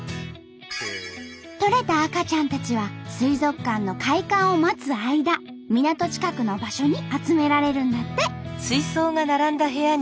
とれた赤ちゃんたちは水族館の開館を待つ間港近くの場所に集められるんだって。